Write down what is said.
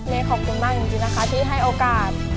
เมย์ขอบคุณมากจริงที่ให้โอกาส